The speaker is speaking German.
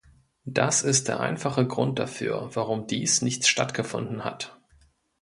Das ist der einfache Grund dafür, warum dies nicht stattgefunden hat.